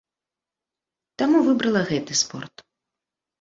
Таму выбрала гэты спорт.